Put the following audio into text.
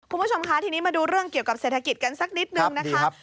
คุณผู้ชมคะทีนี้มาดูเรื่องเกี่ยวกับเศรษฐกิจกันสักนิดนึงนะครับ